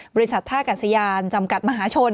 บริษัทท่ากัศยานจำกัดมหาชน